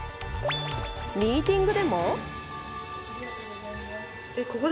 ミーティングでも。